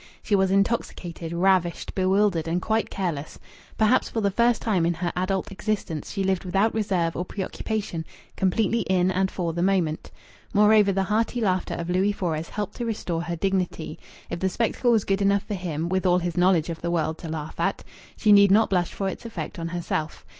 She was intoxicated, ravished, bewildered, and quite careless. Perhaps for the first time in her adult existence she lived without reserve or preoccupation completely in and for the moment. Moreover the hearty laughter of Louis Fores helped to restore her dignity. If the spectacle was good enough for him, with all his knowledge of the world, to laugh at, she need not blush for its effect on herself.